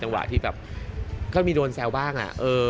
วะที่แบบก็มีโดนแซวบ้าง